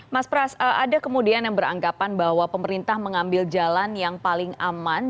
mas pras ada kemudian yang beranggapan bahwa pemerintah mengambil jalan yang paling aman